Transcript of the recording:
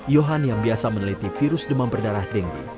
johan yang biasa meneliti virus demam berdarah dengdi